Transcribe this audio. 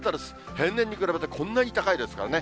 平年に比べてこんなに高いですからね。